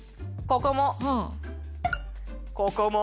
ここも。